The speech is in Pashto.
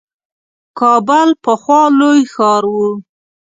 کابل پخوا لوی ښار وو.